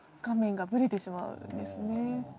画面がブレてしまうんですね。